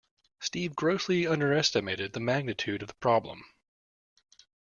Steve grossly underestimated the magnitude of the problem.